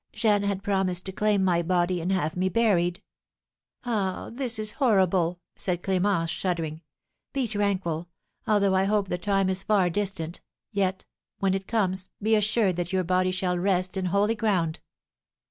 Jeanne had promised to claim my body, and have me buried." "Ah, this is horrible!" said Clémence, shuddering. "Be tranquil, although I hope the time is far distant, yet, when it comes, be assured that your body shall rest in holy ground."